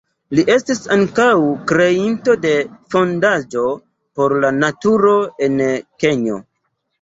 Li estis ankaŭ kreinto de fondaĵo por la naturo en Kenjo.